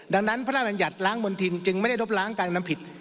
ดังนั้นพระราชบัญญัติล้างมณฑินจึงไม่ได้ลบล้างการทำผิด